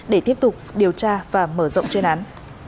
để tiếp tục điều tra và mở rộng chuyên án